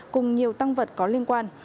cùng nhiều tăng vật có liên quan